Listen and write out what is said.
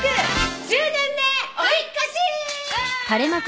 １０年目！お引っ越し！